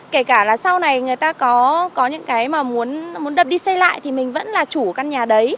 kể cả là sau này người ta có những cái mà muốn đập đi xây lại thì mình vẫn là chủ căn nhà đấy